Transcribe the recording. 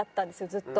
ずっと。